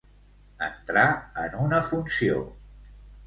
Entrar en una funció.